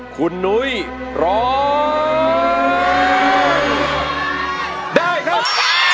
คุณนุ้ยร้องได้ครับ